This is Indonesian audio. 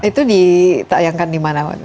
itu ditayangkan dimana